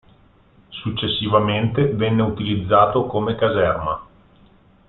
Successivamente venne utilizzato come caserma.